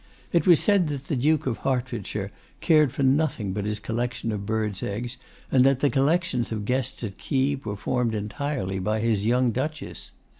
It was said that the Duke of Hertfordshire cared for nothing but his collection of birds' eggs, and that the collections of guests at Keeb were formed entirely by his young Duchess.